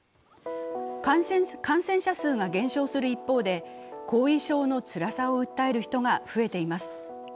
感染者数が減少する一方で後遺症のつらさを訴える人が増えています。